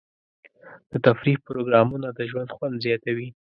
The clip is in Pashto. د تفریح پروګرامونه د ژوند خوند زیاتوي.